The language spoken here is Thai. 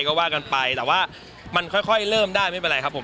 ก็ว่ากันไปแต่ว่ามันค่อยเริ่มได้ไม่เป็นไรครับผม